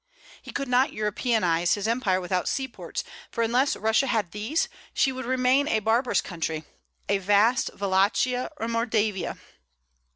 He could not Europeanize his empire without seaports, for unless Russia had these, she would remain a barbarous country, a vast Wallachia or Moldavia.